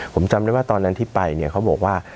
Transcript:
ผมจำได้ว่าตอนนั้นที่ไปเนี่ยเขาบอกว่า